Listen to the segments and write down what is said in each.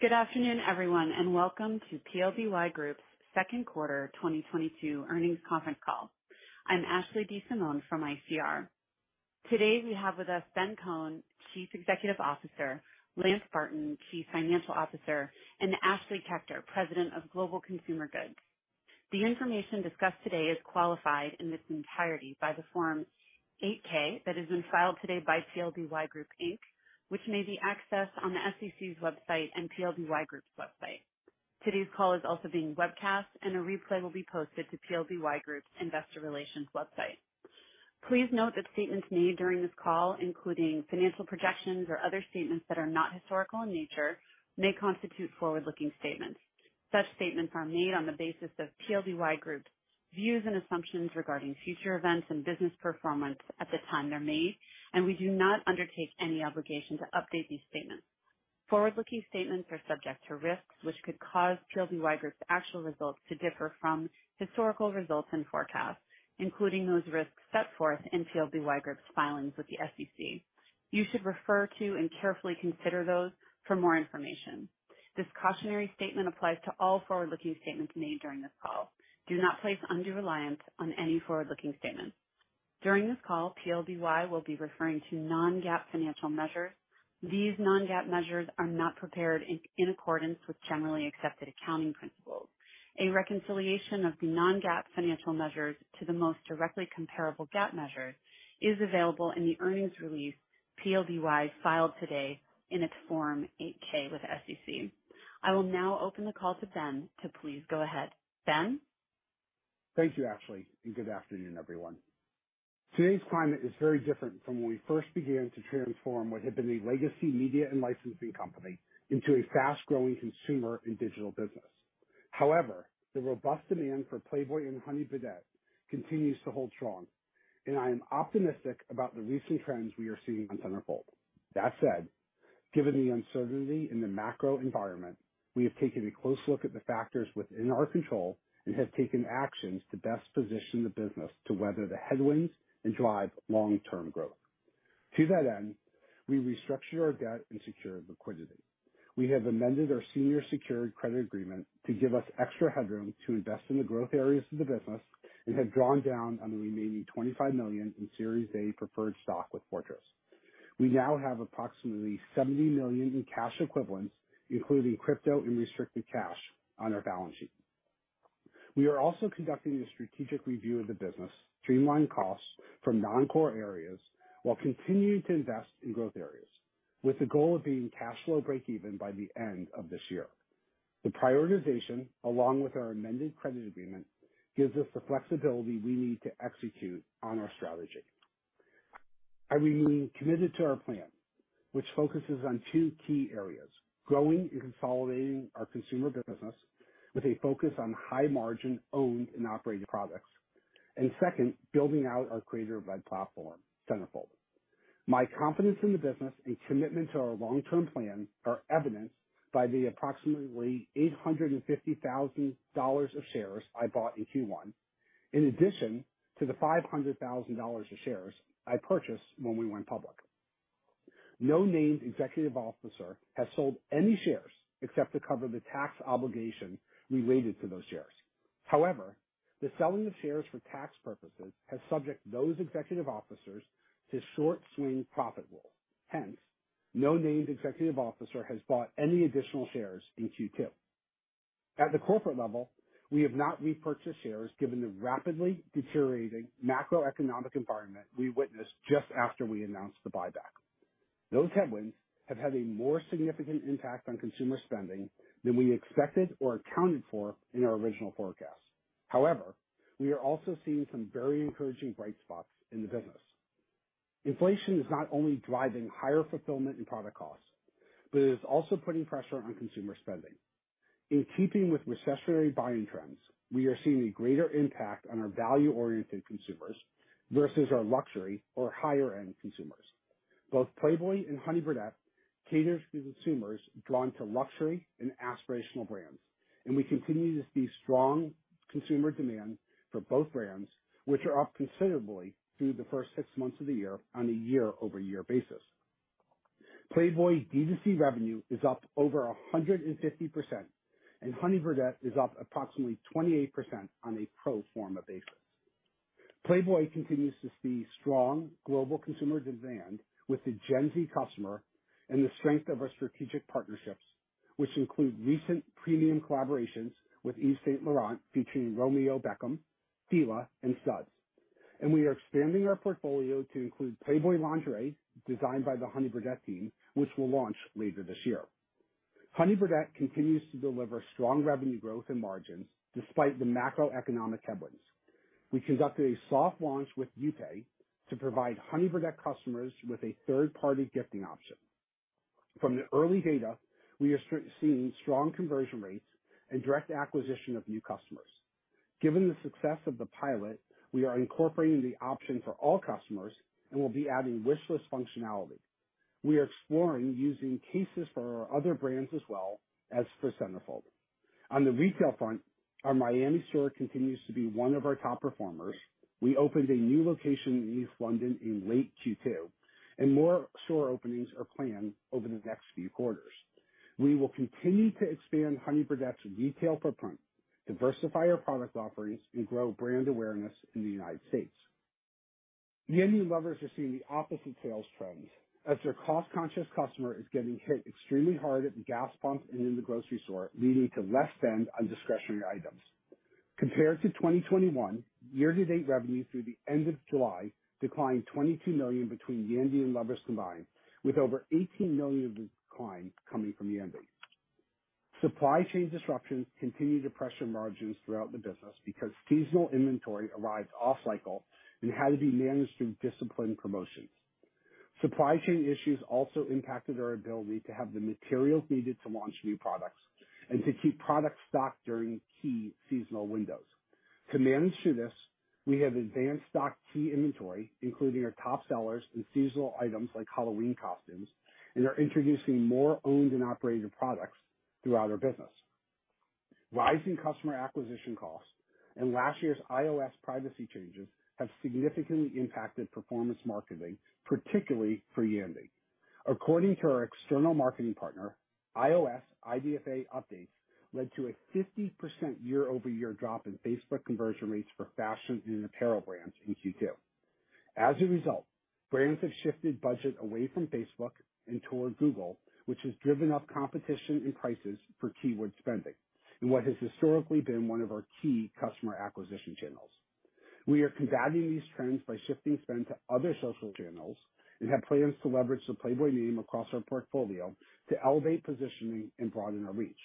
Good afternoon, everyone, and welcome to PLBY Group's second quarter 2022 earnings conference call. I'm Ashley DeSimone from ICR. Today we have with us Ben Kohn, Chief Executive Officer, Lance Barton, Chief Financial Officer, and Ashley Kechter, President of Global Consumer Goods. The information discussed today is qualified in its entirety by the Form 8-K that has been filed today by PLBY Group, Inc., which may be accessed on the SEC's website and PLBY Group's website. Today's call is also being webcast, and a replay will be posted to PLBY Group's investor relations website. Please note that statements made during this call, including financial projections or other statements that are not historical in nature, may constitute forward-looking statements. Such statements are made on the basis of PLBY Group's views and assumptions regarding future events and business performance at the time they're made, and we do not undertake any obligation to update these statements. Forward-looking statements are subject to risks which could cause PLBY Group's actual results to differ from historical results and forecasts, including those risks set forth in PLBY Group's filings with the SEC. You should refer to and carefully consider those for more information. This cautionary statement applies to all forward-looking statements made during this call. Do not place undue reliance on any forward-looking statements. During this call, PLBY will be referring to non-GAAP financial measures. These non-GAAP measures are not prepared in accordance with generally accepted accounting principles. A reconciliation of the non-GAAP financial measures to the most directly comparable GAAP measure is available in the earnings release PLBY filed today in its Form 8-K with the SEC. I will now open the call to Ben. Please go ahead. Ben? Thank you, Ashley, and good afternoon, everyone. Today's climate is very different from when we first began to transform what had been a legacy media and licensing company into a fast growing consumer and digital business. However, the robust demand for Playboy and Honey Birdette continues to hold strong, and I am optimistic about the recent trends we are seeing on Centerfold. That said, given the uncertainty in the macro environment, we have taken a close look at the factors within our control and have taken actions to best position the business to weather the headwinds and drive long-term growth. To that end, we restructured our debt and secured liquidity. We have amended our senior secured credit agreement to give us extra headroom to invest in the growth areas of the business and have drawn down on the remaining $25 million in Series A preferred stock with Fortress. We now have approximately $70 million in cash equivalents, including crypto and restricted cash on our balance sheet. We are also conducting a strategic review of the business, streamline costs from non-core areas while continuing to invest in growth areas, with the goal of being cash flow breakeven by the end of this year. The prioritization, along with our amended credit agreement, gives us the flexibility we need to execute on our strategy. I remain committed to our plan, which focuses on two key areas, growing and consolidating our consumer business with a focus on high margin owned and operated products. Second, building out our creator-led platform, Centerfold. My confidence in the business and commitment to our long-term plan are evidenced by the approximately $850,000 of shares I bought in Q1, in addition to the $500,000 of shares I purchased when we went public. No named executive officer has sold any shares except to cover the tax obligation related to those shares. However, the selling of shares for tax purposes has subjected those executive officers to short-swing profit rule. Hence, no named executive officer has bought any additional shares in Q2. At the corporate level, we have not repurchased shares given the rapidly deteriorating macroeconomic environment we witnessed just after we announced the buyback. Those headwinds have had a more significant impact on consumer spending than we expected or accounted for in our original forecast. However, we are also seeing some very encouraging bright spots in the business. Inflation is not only driving higher fulfillment and product costs, but it is also putting pressure on consumer spending. In keeping with recessionary buying trends, we are seeing a greater impact on our value-oriented consumers versus our luxury or higher end consumers. Both Playboy and Honey Birdette caters to consumers drawn to luxury and aspirational brands, and we continue to see strong consumer demand for both brands, which are up considerably through the first six months of the year on a year-over-year basis. Playboy DTC revenue is up over 150%, and Honey Birdette is up approximately 28% on a pro forma basis. Playboy continues to see strong global consumer demand with the Gen Z customer and the strength of our strategic partnerships, which include recent premium collaborations with Yves Saint Laurent, featuring Romeo Beckham, FILA, and Studs. We are expanding our portfolio to include Playboy lingerie designed by the Honey Birdette team, which will launch later this year. Honey Birdette continues to deliver strong revenue growth and margins despite the macroeconomic headwinds. We conducted a soft launch with Jifiti to provide Honey Birdette customers with a third-party gifting option. From the early data, we are seeing strong conversion rates and direct acquisition of new customers. Given the success of the pilot, we are incorporating the option for all customers and will be adding wishlist functionality. We are exploring use cases for our other brands as well as for Centerfold. On the retail front, our Miami store continues to be one of our top performers. We opened a new location in East London in late Q2, and more store openings are planned over the next few quarters. We will continue to expand Honey Birdette's retail footprint, diversify our product offerings, and grow brand awareness in the United States. Yandy and Lovers are seeing the opposite sales trends as their cost-conscious customer is getting hit extremely hard at the gas pump and in the grocery store, leading to less spend on discretionary items. Compared to 2021, year-to-date revenue through the end of July declined $22 million between Yandy and Lovers combined, with over $18 million of the decline coming from Yandy. Supply chain disruptions continue to pressure margins throughout the business because seasonal inventory arrives off cycle and had to be managed through disciplined promotions. Supply chain issues also impacted our ability to have the materials needed to launch new products and to keep products stocked during key seasonal windows. To manage through this, we have advanced stock key inventory, including our top sellers and seasonal items like Halloween costumes, and are introducing more owned and operated products throughout our business. Rising customer acquisition costs and last year's iOS privacy changes have significantly impacted performance marketing, particularly for Yandy. According to our external marketing partner, iOS IDFA updates led to a 50% year-over-year drop in Facebook conversion rates for fashion and apparel brands in Q2. As a result, brands have shifted budget away from Facebook and towards Google, which has driven up competition and prices for keyword spending in what has historically been one of our key customer acquisition channels. We are combating these trends by shifting spend to other social channels and have plans to leverage the Playboy name across our portfolio to elevate positioning and broaden our reach.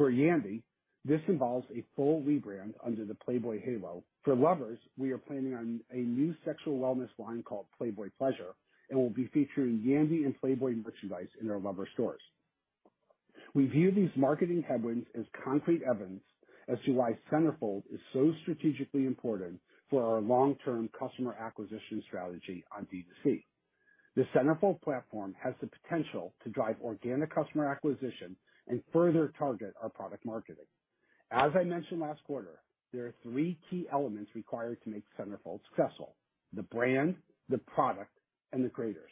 For Yandy, this involves a full rebrand under the Playboy halo. For Lovers, we are planning on a new sexual wellness line called Playboy Pleasure, and we'll be featuring Yandy and Playboy merchandise in our Lovers stores. We view these marketing headwinds as concrete evidence as to why Centerfold is so strategically important for our long-term customer acquisition strategy on D2C. The Centerfold platform has the potential to drive organic customer acquisition and further target our product marketing. As I mentioned last quarter, there are three key elements required to make Centerfold successful. The brand, the product, and the creators.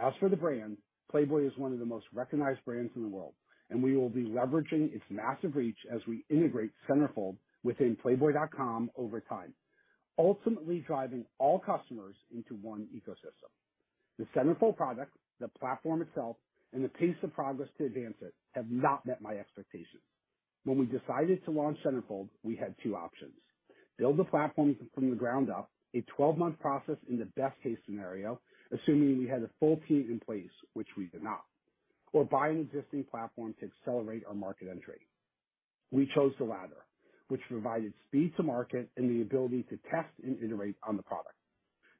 As for the brand, Playboy is one of the most recognized brands in the world, and we will be leveraging its massive reach as we integrate Centerfold within playboy.com over time, ultimately driving all customers into one ecosystem. The Centerfold product, the platform itself, and the pace of progress to advance it have not met my expectations. When we decided to launch Centerfold, we had two options. Build the platform from the ground up, a 12-month process in the best case scenario, assuming we had a full team in place, which we did not. Buy an existing platform to accelerate our market entry. We chose the latter, which provided speed to market and the ability to test and iterate on the product.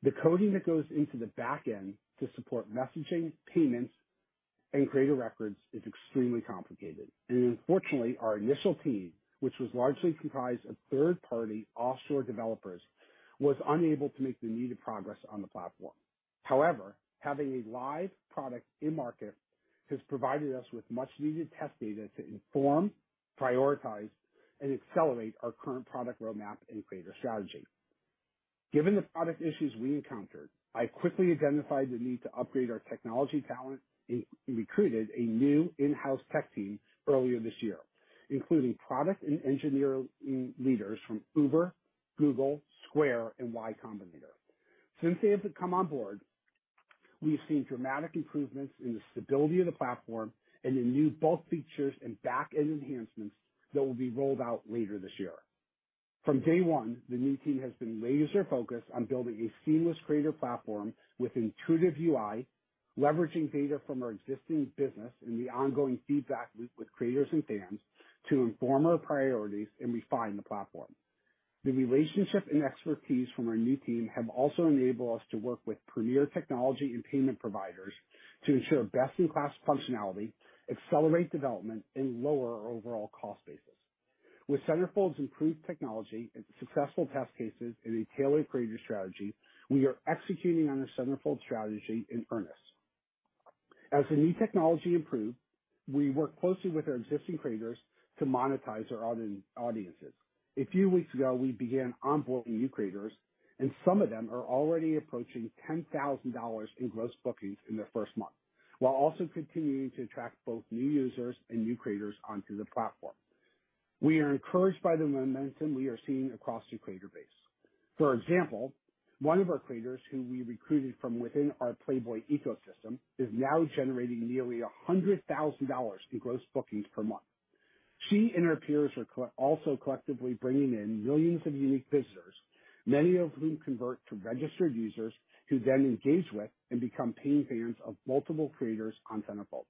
The coding that goes into the back end to support messaging, payments, and creator records is extremely complicated. Unfortunately, our initial team, which was largely comprised of third-party offshore developers, was unable to make the needed progress on the platform. However, having a live product in market has provided us with much needed test data to inform, prioritize, and accelerate our current product roadmap and creator strategy. Given the product issues we encountered, I quickly identified the need to upgrade our technology talent and recruited a new in-house tech team earlier this year, including product and engineer leaders from Uber, Google, Square, and Y Combinator. Since they have come on board, we have seen dramatic improvements in the stability of the platform and in both new features and back-end enhancements that will be rolled out later this year. From day one, the new team has been laser focused on building a seamless creator platform with intuitive UI, leveraging data from our existing business and the ongoing feedback loop with creators and fans to inform our priorities and refine the platform. The relationship and expertise from our new team have also enabled us to work with premier technology and payment providers to ensure best in class functionality, accelerate development, and lower our overall cost basis. With Centerfold's improved technology and successful test cases and a tailored creator strategy, we are executing on the Centerfold strategy in earnest. As the new technology improved, we worked closely with our existing creators to monetize our audiences. A few weeks ago, we began onboarding new creators, and some of them are already approaching $10,000 in gross bookings in their first month, while also continuing to attract both new users and new creators onto the platform. We are encouraged by the momentum we are seeing across the creator base. For example, one of our creators who we recruited from within our Playboy ecosystem is now generating nearly $100,000 in gross bookings per month. She and her peers are also collectively bringing in millions of unique visitors, many of whom convert to registered users who then engage with and become paying fans of multiple creators on Centerfold.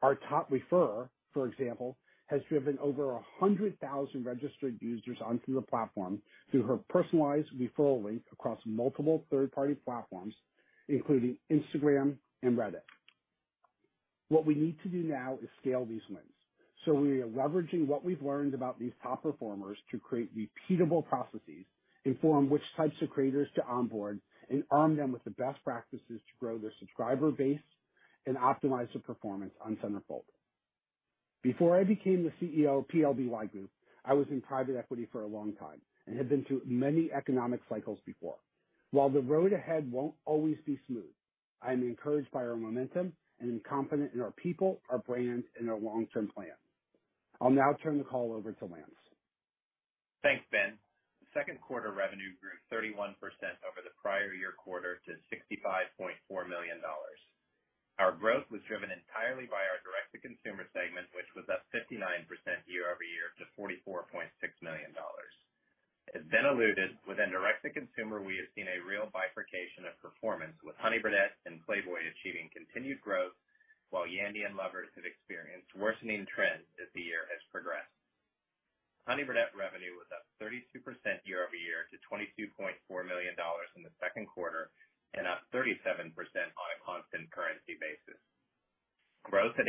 Our top referrer, for example, has driven over 100,000 registered users onto the platform through her personalized referral link across multiple third-party platforms, including Instagram and Reddit. What we need to do now is scale these wins, so we are leveraging what we've learned about these top performers to create repeatable processes, inform which types of creators to onboard, and arm them with the best practices to grow their subscriber base and optimize the performance on Centerfold. Before I became the CEO of PLBY Group, I was in private equity for a long time and had been through many economic cycles before. While the road ahead won't always be smooth, I am encouraged by our momentum and am confident in our people, our brands, and our long-term plan. I'll now turn the call over to Lance. Thanks, Ben. Second quarter revenue grew 31% over the prior year quarter to $65.4 million. Our growth was driven entirely by our direct-to-consumer segment, which was up 59% year-over-year to $44.6 million. As Ben alluded, within direct to consumer, we have seen a real bifurcation of performance with Honey Birdette and Playboy achieving continued growth while Yandy and Lovers have experienced worsening trends as the year has progressed. Honey Birdette revenue was up 32% year-over-year to $22.4 million in the second quarter and up 37%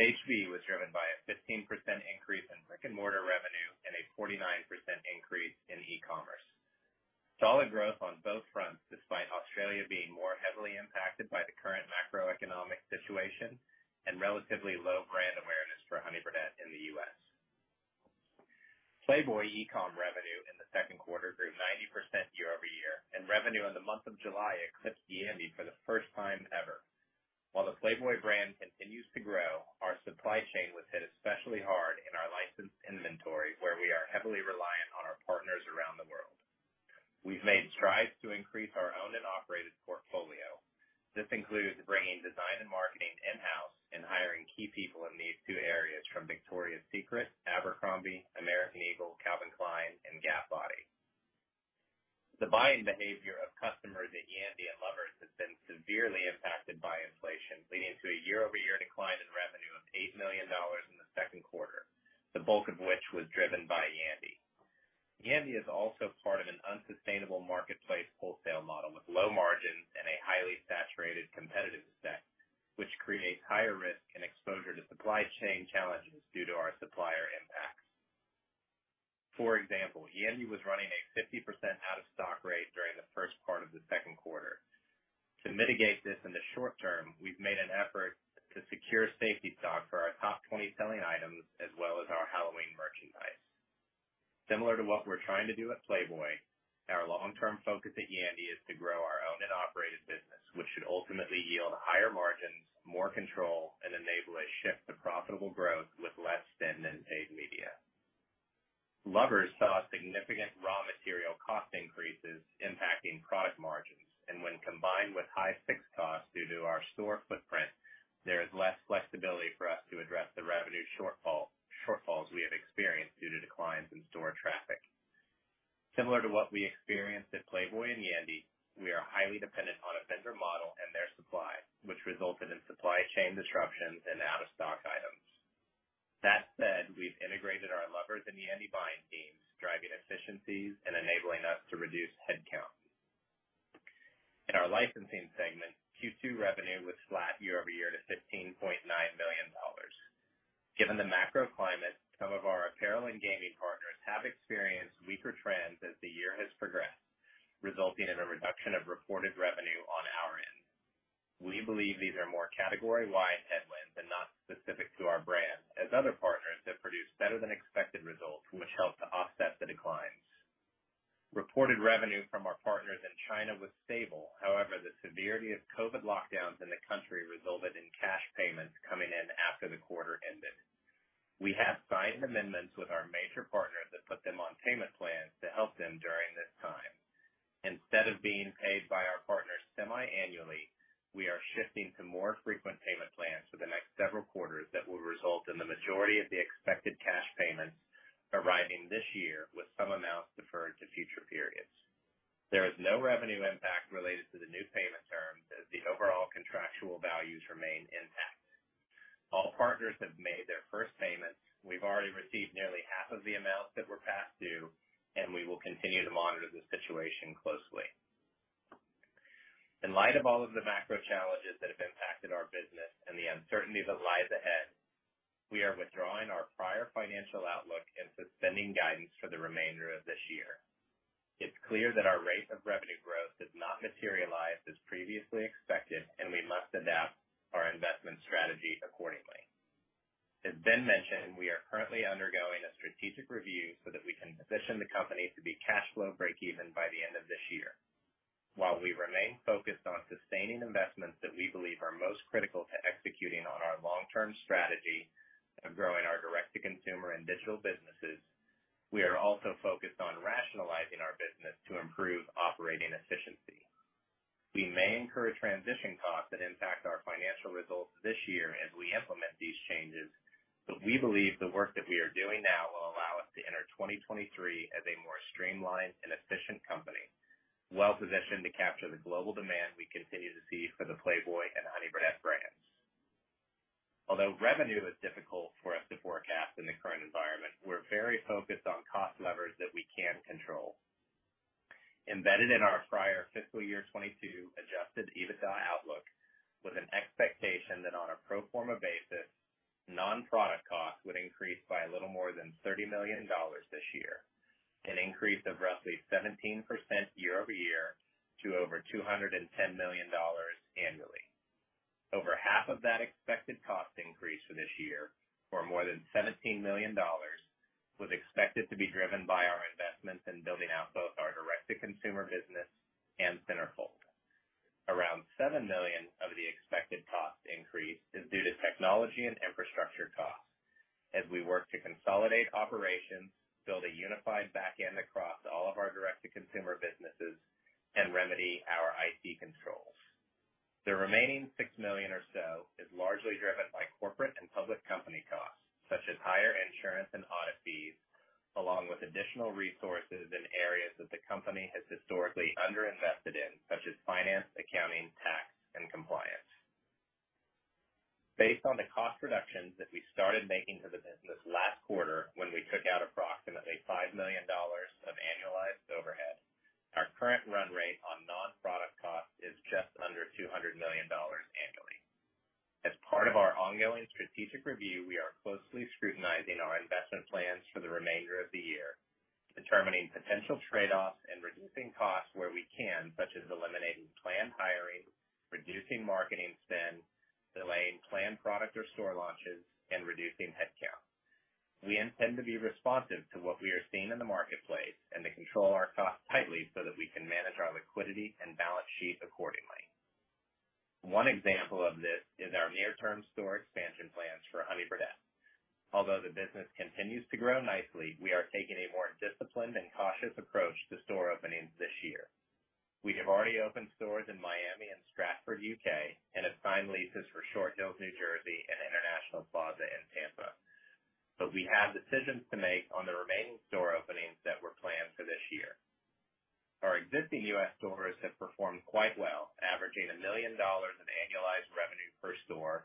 on a constant currency basis. Growth at HB was driven by arriving this year, with some amounts deferred to future periods. There is no revenue impact related to the new payment terms as the overall contractual values remain intact. All partners have made their first payments. We've already received nearly half of the amounts that were past due, and we will continue to monitor the situation closely. In light of all of the macro challenges that have impacted our business and the uncertainty that lies ahead, we are withdrawing our prior financial outlook and suspending guidance for the remainder of this year. It's clear that our rate of revenue growth has not materialized as previously expected, and we must adapt our investment strategy accordingly. As Ben mentioned, we are currently undergoing a strategic review so that we can position the company to be cash flow breakeven by the end of this year. While we remain focused on sustaining investments that we believe are most critical to executing on our long-term strategy of growing our direct to consumer and digital businesses, we are also focused on rationalizing our business to improve operating efficiency. We may incur transition costs that impact our financial results this year as we implement these changes, but we believe the work that we are doing now will allow us to enter 2023 as a more streamlined and efficient company, well-positioned to capture the global demand we continue to see for the Playboy and Honey Birdette brands. Although revenue is difficult for us to forecast in the current environment, we're very focused on cost levers that we can control. Embedded in our prior fiscal year 2022 adjusted EBITDA outlook with an expectation that on a pro forma basis, non-product costs would increase by a little more than $30 million this year, an increase of roughly 17% year-over-year to over $210 million annually. Over half of that expected cost increase for this year, or more than $17 million, was expected to be driven by our investments in building out both our direct-to-consumer business and Centerfold. Around $7 million of the expected cost increase is due to technology and infrastructure costs as we work to consolidate operations, build a unified back end across all of our direct-to-consumer businesses, and remedy our IT controls. The remaining $6 million or so is largely driven by corporate and public company costs, such as higher insurance and audit fees, along with additional resources in areas that the company has historically under-invested in, such as finance, accounting, tax, and compliance. Based on the cost reductions that we started making to the business last quarter when we took out approximately $5 million of annualized overhead, our current run rate on non-product costs is just under $200 million annually. As part of our ongoing strategic review, we are closely scrutinizing our investment plans for the remainder of the year, determining potential trade-offs, and reducing costs where we can, such as eliminating planned hiring, reducing marketing spend, delaying planned product or store launches, and reducing headcount. We intend to be responsive to what we are seeing in the marketplace and to control our costs tightly so that we can manage our liquidity and balance sheet accordingly. One example of this is our near-term store expansion plans for Honey Birdette. Although the business continues to grow nicely, we are taking a more disciplined and cautious approach to store openings this year. We have already opened stores in Miami and Stratford, U.K., and have signed leases for Short Hills, New Jersey, and International Plaza in Tampa. We have decisions to make on the remaining store openings that were planned for this year. Our existing US stores have performed quite well, averaging $1 million in annualized revenue per store,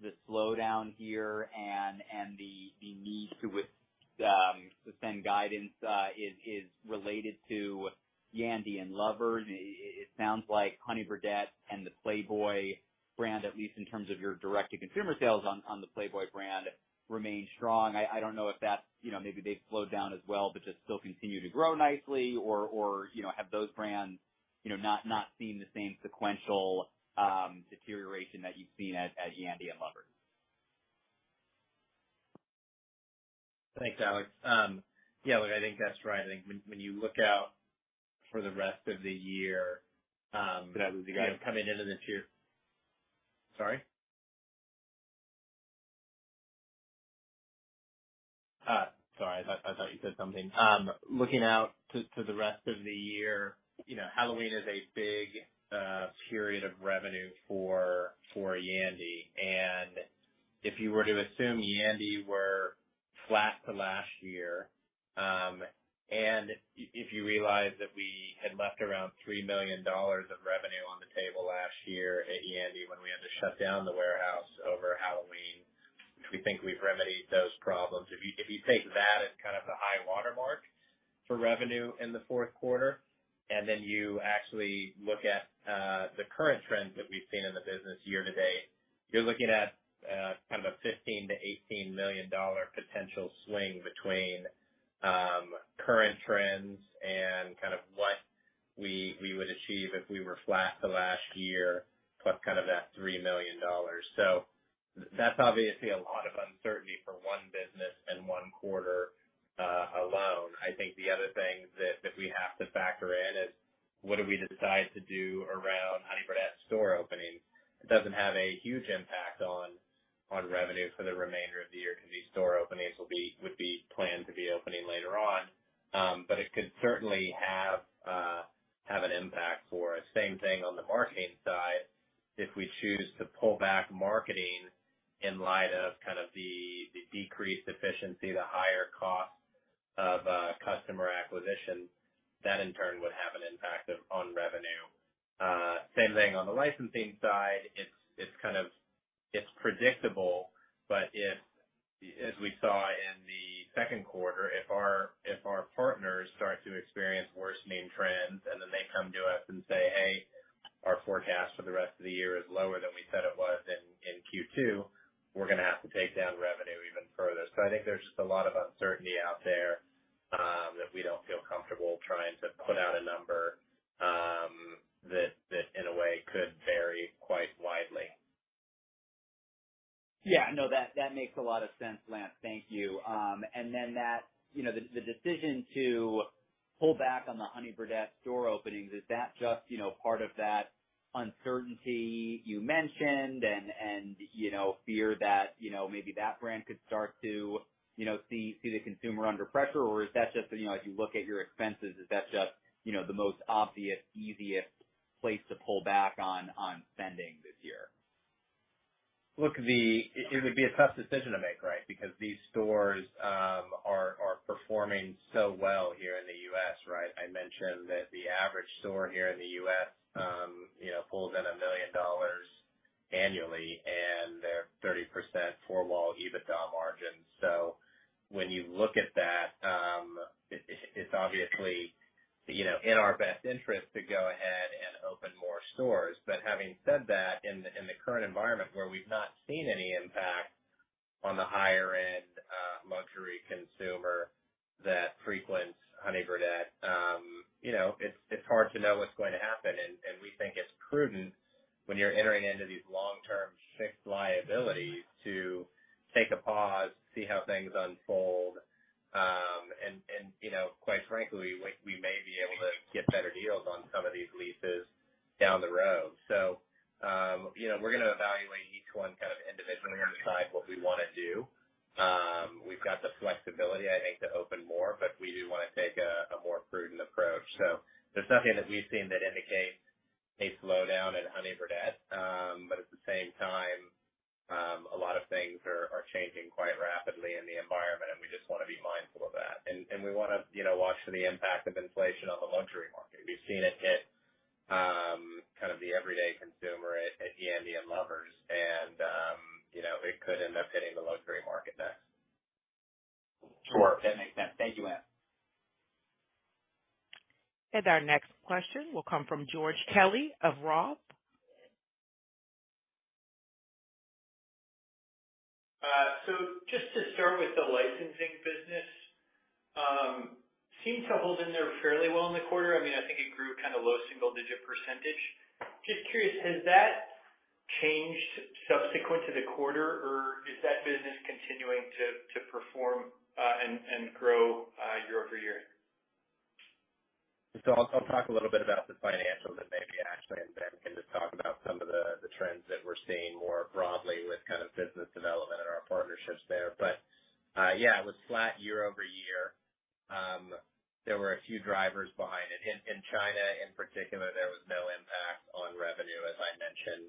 the slowdown here and the need to suspend guidance is related to Yandy and Lovers. It sounds like Honey Birdette and the Playboy brand, at least in terms of your direct-to-consumer sales on the Playboy brand, remain strong. I don't know if that's, you know, maybe they've slowed down as well but just still continue to grow nicely or, you know, have those brands not seen the same sequential deterioration that you've seen at Yandy and Lovers. Thanks, Alex, look, I think that's right. I think when you look out for the rest of the year. That was the guidance. You know, coming into this year. Sorry? Sorry, I thought you said something. Looking out to the rest of the year, you know, Halloween is a big period of revenue for Yandy. If you were to assume Yandy were flat to last year, and if you realize that we had left around $3 million of revenue on the table last year at Yandy when we had to shut down the warehouse over Halloween, which we think we've remedied those problems. If you take that as kind of the high watermark for revenue in the fourth quarter, and then you actually look at the current trends that we've seen in the business year to date, you're looking at kind of a $15 million-$18 million potential swing between current trends and kind of what we would achieve if we were flat to last year, plus kind of that $3 million. That's obviously a lot of uncertainty for one business and one quarter alone. I think the other thing that we have to factor in is what do we decide to do around Honey Birdette store openings. It doesn't have a huge impact on revenue for the remainder of the year because these store openings would be planned to be opening later on. It could certainly have. Same thing on the marketing side. If we choose to pull back marketing in light of the decreased efficiency, the higher cost of customer acquisition, that in turn would have an impact on revenue. Same thing on the licensing side. It's kind of predictable, but if, as we saw in the second quarter, our partners start to experience worsening trends, and then they come to us and say, "Hey, our forecast for the rest of the year is lower than we said it was in Q2," we're gonna have to take down revenue even further. I think there's just a lot of uncertainty out there that we don't feel comfortable trying to put out a number that in a way could vary quite widely. No, that makes a lot of sense, Lance. Thank you. That, you know, the decision to pull back on the Honey Birdette store openings, is that just, you know, part of that uncertainty you mentioned and, you know, fear that, you know, maybe that brand could start to, you know, see the consumer under pressure, or is that just so, you know, as you look at your expenses, is that just, you know, the most obvious, easiest place to pull back on spending this year? It would be a tough decision to make, right? Because these stores are performing so well here in the U.S., right? I mentioned that the average store here in the U.S., you know, pulls in $1 million annually, and they're 30% four-wall EBITDA margins. When you look at that, it's obviously, you know, in our best interest to go ahead and open more stores. Having said that, in the current environment where we've not seen any impact on the higher end luxury consumer that frequents Honey Birdette, you know, it's hard to know what's going to happen. We think it's prudent when you're entering into these long-term fixed liabilities to take a pause, see how things unfold, and you know, quite frankly, we may be able to get better deals on some of these leases down the road. You know, we're gonna evaluate each one kind of individually and decide what we wanna do. We've got the flexibility, I think, to open more, but we do wanna take a more prudent approach. There's nothing that we've seen that indicates a slowdown in Honey Birdette. But at the same time, a lot of things are changing quite rapidly in the environment, and we just wanna be mindful of that. We wanna, you know, watch for the impact of inflation on the luxury market. We've seen it hit, kind of the everyday consumer at Yandy and Lovers and, you know, it could end up hitting the luxury market next. Sure. That makes sense. Thank you, Lance. Our next question will come from George Kelly of Roth. Just to start with the licensing business, it seemed to hold in there fairly well in the quarter. I mean, I think it grew kind of low single-digit %. Just curious, has that changed subsequent to the quarter, or is that business continuing to perform and grow year-over-year? I'll talk a little bit about the financials, and then maybe Ashley and Ben can just talk about some of the trends that we're seeing more broadly with kind of business development and our partnerships there. It was flat year-over-year. There were a few drivers behind it. In China in particular, there was no impact on revenue. As I mentioned,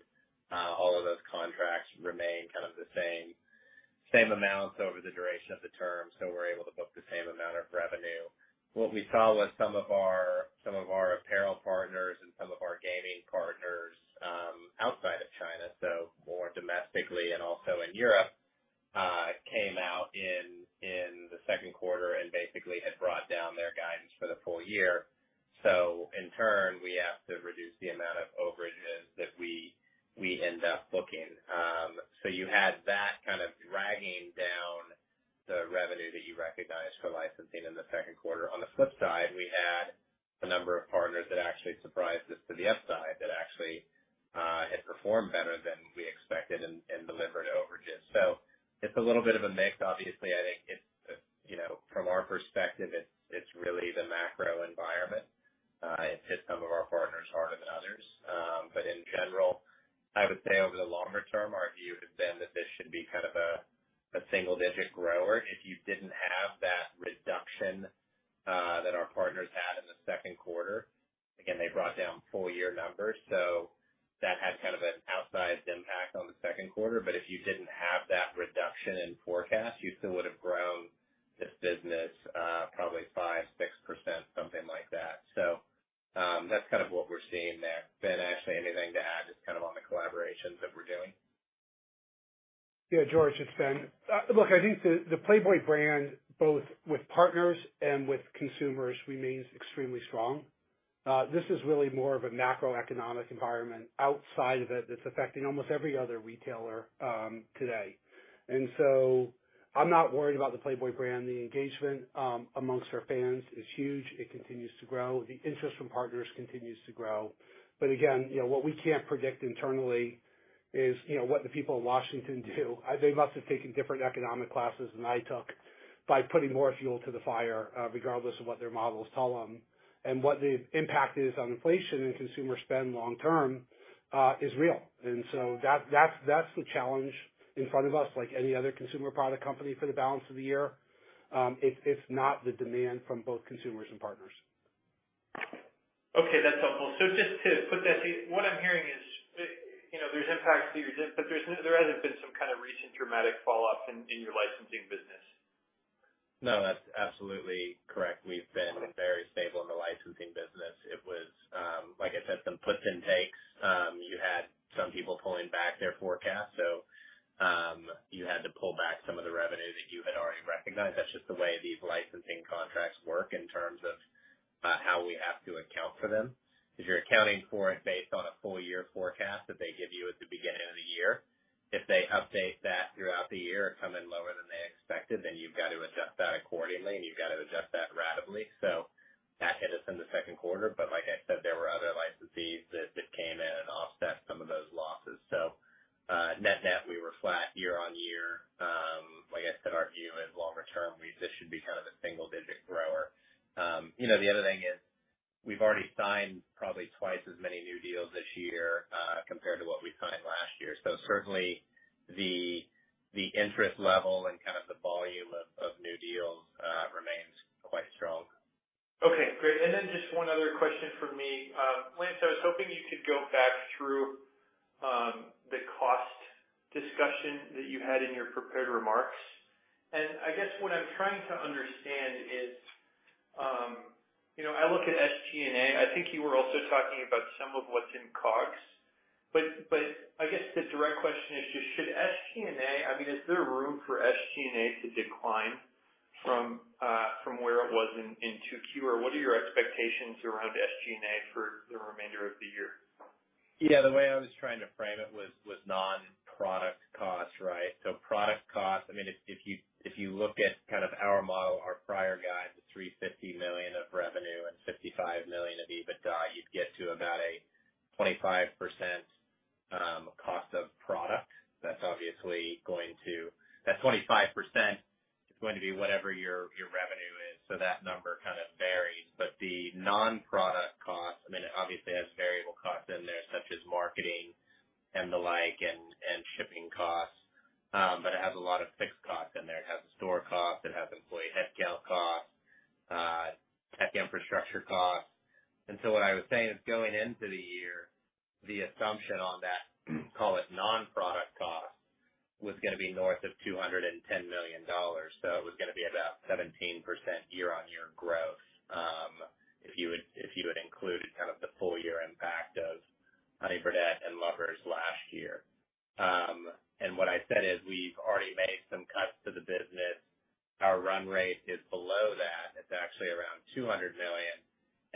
all of those contracts remain kind of the same amounts over the duration of the term, so we're able to book the same amount of revenue. What we saw was some of our apparel partners and some of our gaming partners outside of China, so more domestically and also in Europe, came out in the second quarter and basically had brought down their guidance for the full year. In turn, we have to reduce the amount of overages that we end up booking. You had that kind of dragging down the revenue that you recognized for licensing in the second quarter. On the flip side, we had a number of partners that actually surprised us to the upside, that actually had performed better than we expected and delivered overages. It's a little bit of a mix. Obviously, I think it's, you know, from our perspective, it's really the macro environment. It hit some of our partners harder than others. In general, I would say over the longer term, our view has been that this should be kind of a single digit grower. If you didn't have that reduction that our partners had in the second quarter, again, they brought down full year numbers, so that had kind of an outsized impact on the second quarter. If you didn't have that reduction in forecast, you still would've grown this business, probably 5%-6%, something like that. That's kind of what we're seeing there. Ben, Ashley, anything to add just kind of on the collaborations that we're doing? George, it's Ben. Look, I think the Playboy brand, both with partners and with consumers, remains extremely strong. This is really more of a macroeconomic environment outside of it that's affecting almost every other retailer today. I'm not worried about the Playboy brand. The engagement amongst our fans is huge. It continues to grow. The interest from partners continues to grow. Again, you know, what we can't predict internally is, you know, what the people in Washington do. They must have taken different economic classes than I took by putting more fuel to the fire, regardless of what their models tell them, and what the impact is on inflation and consumer spend long term is real. That's the challenge in front of us, like any other consumer product company for the balance of the year. It's not the demand from both consumers and partners. Okay, that's helpful. What I'm hearing is, you know, there's impacts to your business, but there hasn't been some kind of recent dramatic fallout in your licensing business. No, that's absolutely correct. We've been very stable in the licensing business. It was, like I said, some puts and takes. You had some people pulling back their forecast, so you had to pull back some of the revenue that you had already recognized. That's just the way these licensing contracts work in terms of how we have to account for them. Because you're accounting for it based on a full year forecast that they give you at the beginning of the year. If they update that throughout the year or come in lower than they expected, then you've got to adjust that accordingly, and you've got to adjust that rapidly. That hit us in the second quarter, but like I said, there were other licensees that came in and offset some of those losses. Net-net, we were flat year-over-year. Like I said, our view is longer term, this should be kind of a single-digit grower. You know, the other thing is, we've already signed probably twice as many new deals this year, compared to what we signed last year. Certainly the interest level and kind of the volume of new deals remains quite strong. Okay, great. Just one other question from me. Lance, I was hoping you could go back through the cost discussion that you had in your prepared remarks. I guess what I'm trying to understand is, you know, I look at SG&A, I think you were also talking about some of what's in COGS. But I guess the direct question is just should SG&A, I mean, is there room for SG&A to decline from where it was in 2Q? Or what are your expectations around SG&A for the remainder of the year? The way I was trying to frame it was non-product costs, right? Product costs, I mean, if you look at kind of our model, our prior guide, the $350 million of revenue and $55 million of EBITDA, you'd get to about a 25% cost of product. That 25% is going to be whatever your revenue is. That number kind of varies. The non-product costs, I mean, obviously it has variable costs in there, such as marketing and the like, and shipping costs. It has a lot of fixed costs in there. It has the store costs, it has employee headcount costs, tech infrastructure costs. What I was saying is, going into the year, the assumption on that, call it non-product cost, was gonna be north of $210 million. It was gonna be about 17% year-on-year growth, if you had included kind of the full year impact of Honey Birdette and Lovers last year. What I said is we've already made some cuts to the business. Our run rate is below that. It's actually around $200 million.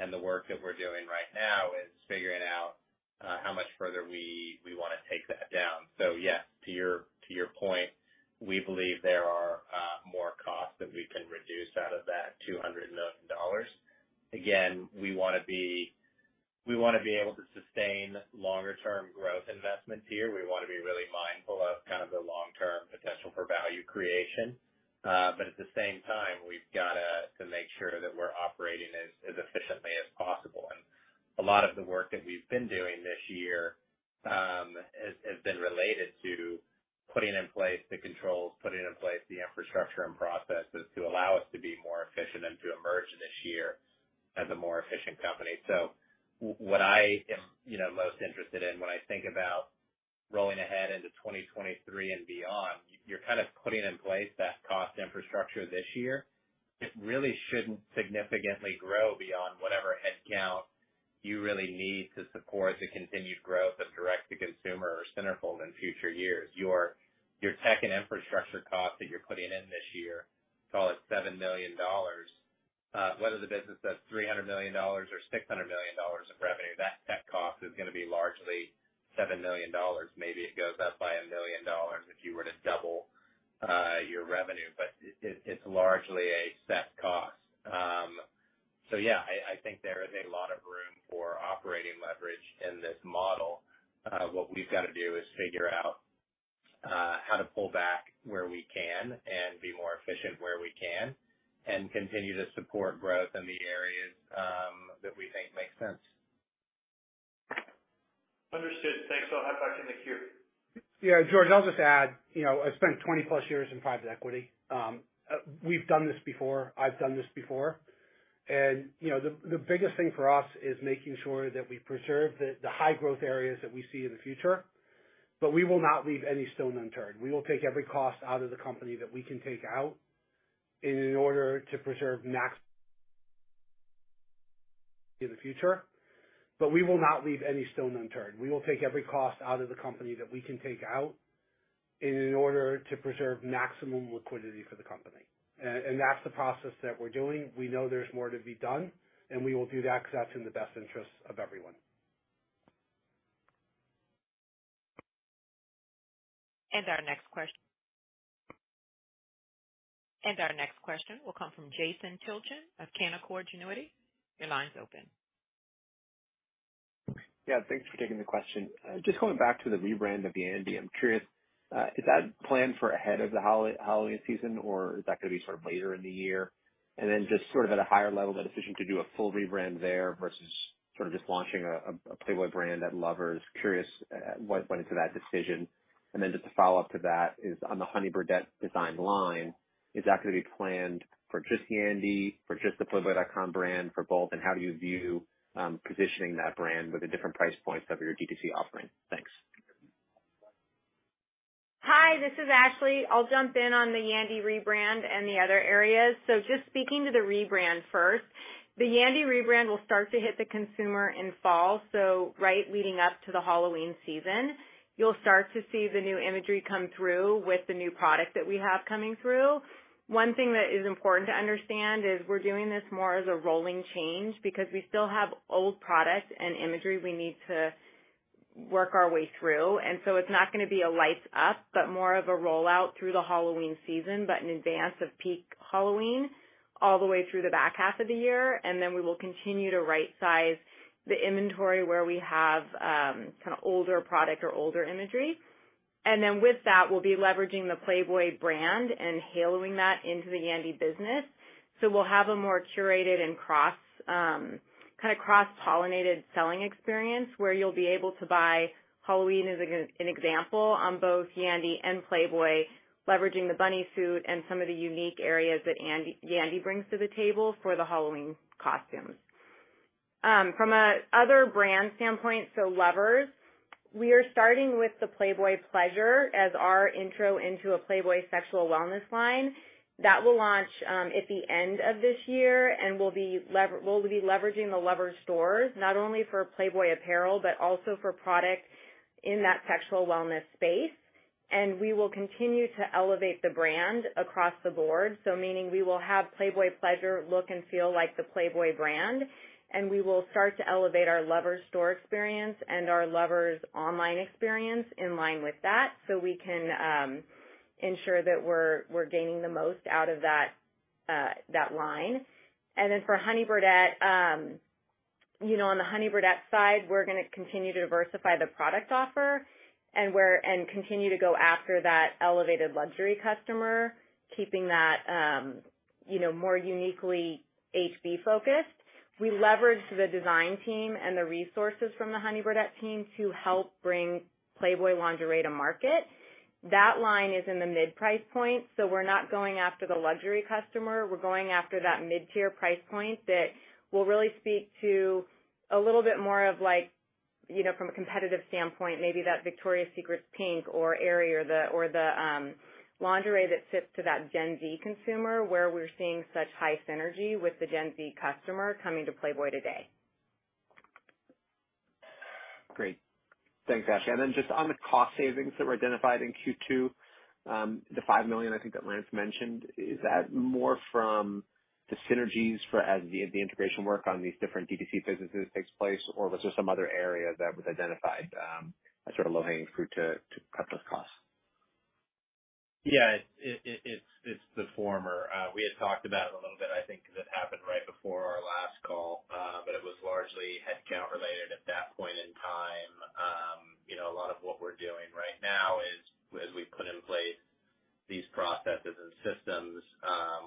The work that we're doing right now is figuring out how much further we wanna take that down. Yes, to your point, we believe there are more costs that we can reduce out of that $200 million. Again, we wanna be able to sustain longer term growth investments here. We wanna be really mindful of kind of the long term potential for value creation. At the same time, we've got to make sure that we're operating as efficiently as possible. A lot of the work that we've been doing this year has been related to putting in place the controls, putting in place the infrastructure and processes to allow us to be more efficient and to emerge this year as a more efficient company. What I am, you know, most interested in when I think about rolling ahead into 2023 and beyond, you're kind of putting in place that cost infrastructure this year. It really shouldn't significantly grow beyond whatever headcount you really need to support the continued growth of direct to consumer or Centerfold in future years. Your tech and infrastructure costs that you're putting in this year, call it $7 million, whether the business does $300 million or $600 million of revenue, that cost is gonna be largely $7 million. Maybe it goes up by $1 million if you were to double your revenue, but it's largely a set cost. So, I think there is a lot of room for operating leverage in this model. What we've got to do is figure out how to pull back where we can and be more efficient where we can and continue to support growth in the areas that we think make sense. Understood. Thanks. I'll hop back in the queue. George, I'll just add, you know, I spent 20+ years in private equity. We've done this before. I've done this before. You know, the biggest thing for us is making sure that we preserve the high growth areas that we see in the future. But we will not leave any stone unturned. We will take every cost out of the company that we can take out in order to preserve maximum liquidity for the company. That's the process that we're doing. We know there's more to be done, and we will do that because that's in the best interest of everyone. Our next question will come from Jason Tilchen of Canaccord Genuity. Your line's open. Thanks for taking the question. Just going back to the rebrand, I'm curious, is that planned ahead of the holiday season, or is that gonna be sort of later in the year? Just sort of at a higher level, the decision to do a full rebrand there versus sort of just launching a Playboy brand at Lovers. I'm curious, what went into that decision? Just a follow-up to that is on the Honey Birdette design line. Is that gonna be planned for just Yandy, for just the playboy.com brand, for both, and how do you view positioning that brand with the different price points of your DTC offering? Thanks. Hi, this is Ashley. I'll jump in on the Yandy rebrand and the other areas. Just speaking to the rebrand first. The Yandy rebrand will start to hit the consumer in fall, so right leading up to the Halloween season. You'll start to see the new imagery come through with the new product that we have coming through. One thing that is important to understand is we're doing this more as a rolling change because we still have old products and imagery we need to work our way through. It's not gonna be a light switch, but more of a rollout through the Halloween season, but in advance of peak Halloween, all the way through the back half of the year. Then we will continue to right-size the inventory where we have kinda older product or older imagery. With that, we'll be leveraging the Playboy brand and haloing that into the Yandy business. We'll have a more curated and cross, kinda cross-pollinated selling experience where you'll be able to buy Halloween as an example on both Yandy and Playboy, leveraging the bunny suit and some of the unique areas that Yandy brings to the table for the Halloween costumes. From another brand standpoint, Lovers, we are starting with the Playboy Pleasure as our intro into a Playboy sexual wellness line. That will launch at the end of this year and we'll be leveraging the Lovers stores, not only for Playboy apparel, but also for product in that sexual wellness space. We will continue to elevate the brand across the board. Meaning we will have Playboy Pleasure look and feel like the Playboy brand, and we will start to elevate our Lovers store experience and our Lovers online experience in line with that, so we can ensure that we're gaining the most out of that line. Then for Honey Birdette, you know, on the Honey Birdette side, we're gonna continue to diversify the product offer and continue to go after that elevated luxury customer, keeping that, you know, more uniquely HB-focused. We leverage the design team and the resources from the Honey Birdette team to help bring Playboy lingerie to market. That line is in the mid price point. We're not going after the luxury customer. We're going after that mid-tier price point that will really speak to a little bit more of like, you know, from a competitive standpoint, maybe that Victoria's Secret PINK or aerie or the lingerie that fits to that Gen Z consumer where we're seeing such high synergy with the Gen Z customer coming to Playboy today. Great. Thanks, Ashley. Just on the cost savings that were identified in Q2, the $5 million I think that Lance mentioned, is that more from the synergies as the integration work on these different DTC businesses takes place? Or was there some other area that was identified, as sort of low-hanging fruit to cut those costs? It's the former. We had talked about it a little bit, I think, 'cause it happened right before our last call, but it was largely headcount related at that point in time. You know, a lot of what we're doing right now is, as we put in place these processes and systems,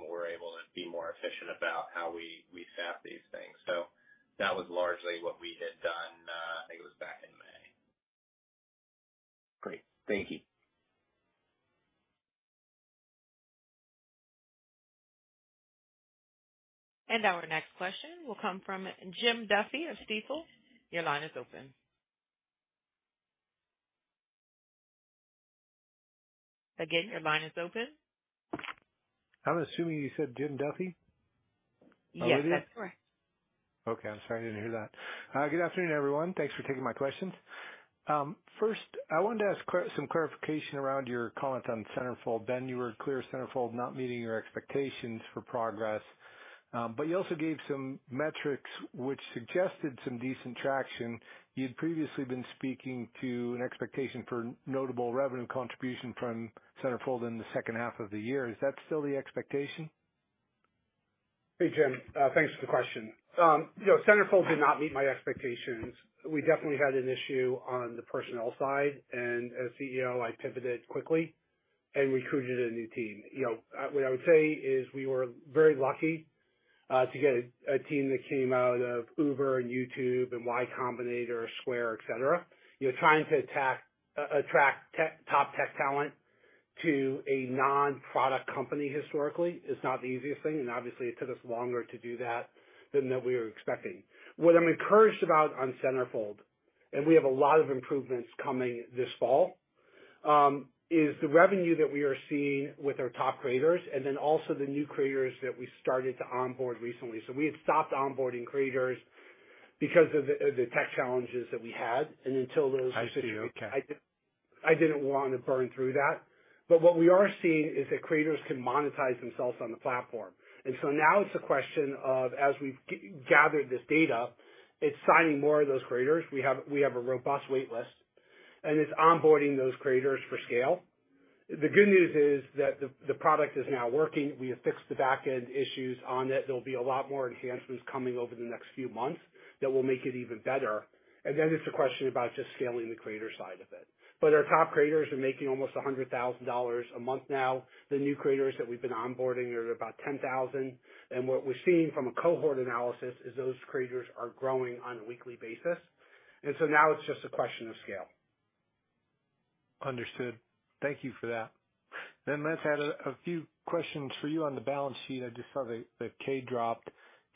we're able to be more efficient about how we staff these things. That was largely what we had done, I think it was back in May. Great. Thank you. Our next question will come from Jim Duffy of Stifel. Your line is open. Again, your line is open. I'm assuming you said Jim Duffy. Yes, that's correct. Okay. I'm sorry, I didn't hear that. Good afternoon, everyone. Thanks for taking my questions. First, I wanted to ask some clarification around your comments on Centerfold. Ben, you were clear Centerfold is not meeting your expectations for progress, but you also gave some metrics which suggested some decent traction. You'd previously been speaking to an expectation for notable revenue contribution from Centerfold in the second half of the year. Is that still the expectation? Hey, Jim. Thanks for the question. You know, Centerfold did not meet my expectations. We definitely had an issue on the personnel side, and as CEO, I pivoted quickly and recruited a new team. You know, what I would say is we were very lucky to get a team that came out of Uber and YouTube and Y Combinator, Square, et cetera. Attracting top tech talent to a non-product company historically is not the easiest thing, and obviously it took us longer to do that than what we were expecting. What I'm encouraged about on Centerfold, and we have a lot of improvements coming this fall, is the revenue that we are seeing with our top creators and then also the new creators that we started to onboard recently. We had stopped onboarding creators because of the tech challenges that we had. Until those I see. Okay. I didn't wanna burn through that. What we are seeing is that creators can monetize themselves on the platform. Now it's a question of, as we've gathered this data, it's signing more of those creators. We have a robust wait list. It's onboarding those creators for scale. The good news is that the product is now working. We have fixed the back-end issues on it. There'll be a lot more enhancements coming over the next few months that will make it even better. Then it's a question about just scaling the creator side of it. Our top creators are making almost $100,000 a month now. The new creators that we've been onboarding are about $10,000. What we're seeing from a cohort analysis is those creators are growing on a weekly basis. Now it's just a question of scale. Understood. Thank you for that. Lance, I had a few questions for you on the balance sheet. I just saw the 8-K drop.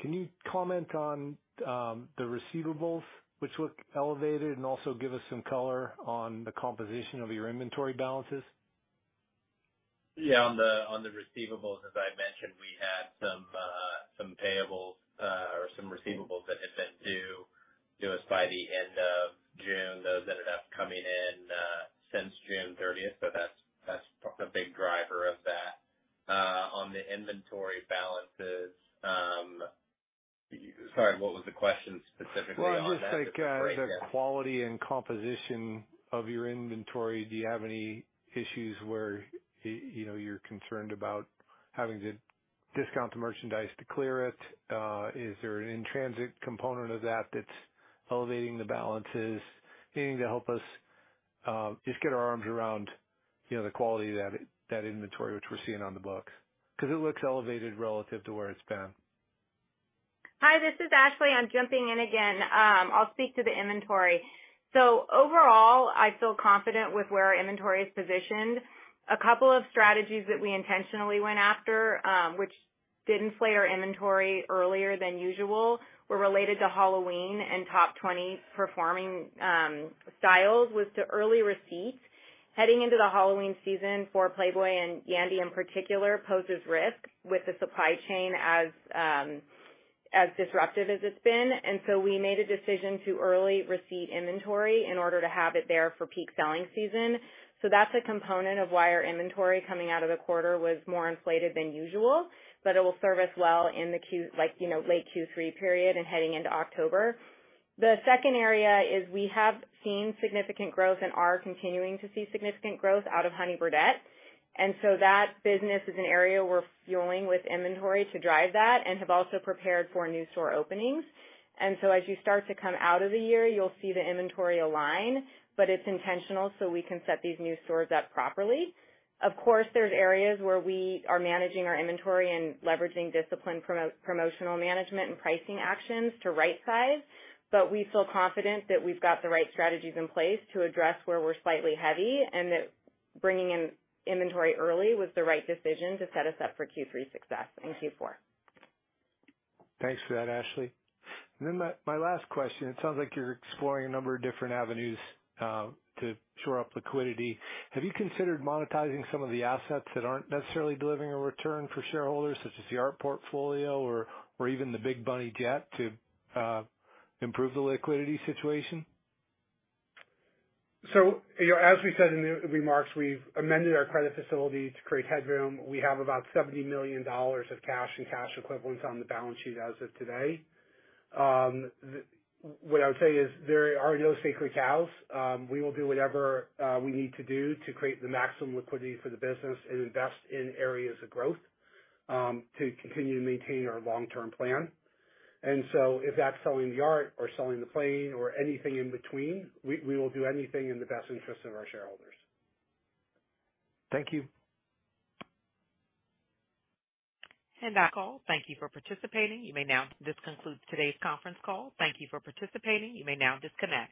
Can you comment on the receivables which look elevated, and also give us some color on the composition of your inventory balances? On the receivables, as I mentioned, we had some receivables that had been due to us by the end of June. Those ended up coming in since June 30. That's a big driver of that. On the inventory balances, sorry, what was the question specifically on that? Well, just like, the quality and composition of your inventory. Do you have any issues where, you know, you're concerned about having to discount the merchandise to clear it? Is there an in-transit component of that that's elevating the balances? Anything to help us, just get our arms around, you know, the quality of that inventory, which we're seeing on the books. 'Cause it looks elevated relative to where it's been. Hi, this is Ashley. I'm jumping in again. I'll speak to the inventory. Overall, I feel confident with where our inventory is positioned. A couple of strategies that we intentionally went after, which didn't deplete our inventory earlier than usual, were related to Halloween and top 20 performing styles, was to early receipts. Heading into the Halloween season for Playboy and Yandy in particular, poses risks with the supply chain as disruptive as it's been. We made a decision to early receipt inventory in order to have it there for peak selling season. That's a component of why our inventory coming out of the quarter was more inflated than usual, but it will serve us well in late Q3 period and heading into October. The second area is we have seen significant growth and are continuing to see significant growth out of Honey Birdette, and so that business is an area we're fueling with inventory to drive that and have also prepared for new store openings. As you start to come out of the year, you'll see the inventory align, but it's intentional so we can set these new stores up properly. Of course, there's areas where we are managing our inventory and leveraging disciplined promotional management and pricing actions to right size. We feel confident that we've got the right strategies in place to address where we're slightly heavy, and that bringing in inventory early was the right decision to set us up for Q3 success and Q4. Thanks for that, Ashley. My last question. It sounds like you're exploring a number of different avenues to shore up liquidity. Have you considered monetizing some of the assets that aren't necessarily delivering a return for shareholders, such as the art portfolio or even the Big Bunny jet to improve the liquidity situation? You know, as we said in the remarks, we've amended our credit facility to create headroom. We have about $70 million of cash and cash equivalents on the balance sheet as of today. What I would say is there are no sacred cows. We will do whatever we need to do to create the maximum liquidity for the business and invest in areas of growth to continue to maintain our long term plan. If that's selling the art or selling the plane or anything in between, we will do anything in the best interest of our shareholders. Thank you. That's all. Thank you for participating. This concludes today's conference call. Thank you for participating. You may now disconnect.